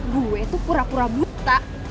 gue itu pura pura buta